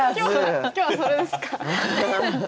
今日はそれですか？